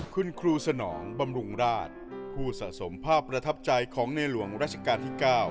คุณครูสนองบำรุงราชผู้สะสมภาพประทับใจของในหลวงราชการที่๙